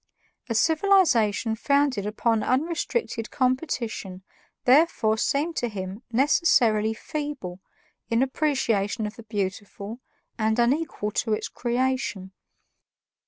A civilization founded upon unrestricted competition therefore seemed to him necessarily feeble in appreciation of the beautiful, and unequal to its creation.